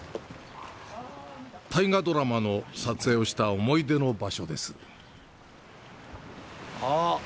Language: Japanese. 大河ドラマの撮影をした思い出の場所です。